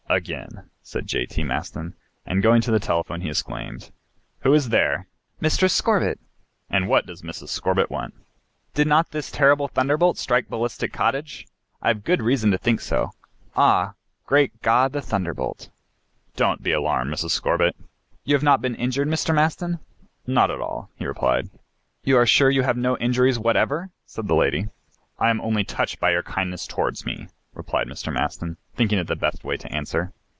"Again," said J.T, Maston, and going to the telephone he exclaimed, "who is there?" "Mistress Scorbitt." "And what does Mrs. Scorbitt want?" "Did not this terrible thunderbolt strike Ballistic cottage? I have good reason to think so. Ah, great God, the thunderbolt!" "Don't be alarmed, Mrs. Scorbitt." "You have not been injured, Mr. Maston?" "Not at all," he replied. "You are sure you have no injuries whatever," said the lady. "I am only touched by your kindness towards me," replied Mr. Maston, thinking it the best way to answer.